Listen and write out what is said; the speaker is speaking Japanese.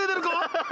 ハハハ！